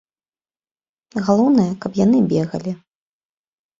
Галоўнае, каб яны бегалі.